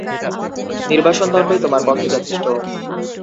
নির্বাসনদণ্ডই তোমার পক্ষে যথেষ্ট।